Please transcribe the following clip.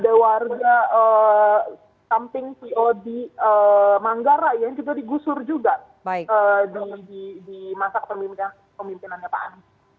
ada warga samping po di manggarai yang kita digusur juga di masa kepemimpinannya pak anies